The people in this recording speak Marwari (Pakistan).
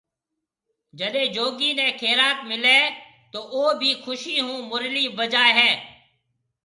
جڏي جوگي ني خيريئات ملي تو او بِي خوشي مرلي بجائي ھيَََ